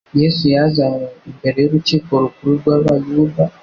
Yesu yazanywe imbere y’Urukiko Rukuru rw’Abayuda